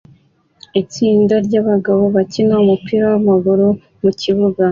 Itsinda ryabagabo bakina umupira wamaguru mukibuga